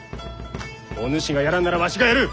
お主がやらんならわしがやる。